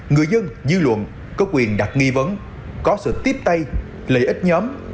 người dân dư luận có quyền đặt nghi vấn có sự tiếp tay lợi ích nhóm